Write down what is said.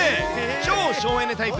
超省エネタイプ。